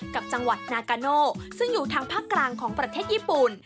กับจังหวัดนากาโนซึ่งอยู่ทางภาคกลางของประเทศญี่ปุ่น